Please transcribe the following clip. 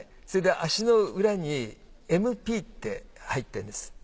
それと足の裏に「ＭＰ」って入ってるんです。